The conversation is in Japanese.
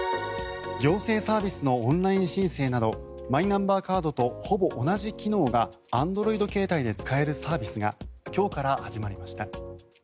行政サービスのオンライン申請などマイナンバーカードとほぼ同じ機能がＡｎｄｒｏｉｄ携帯で使えるサービスが今日から始まりました。